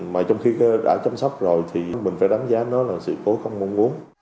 mà trong khi đã chăm sóc rồi thì mình phải đánh giá nó là sự cố không mong muốn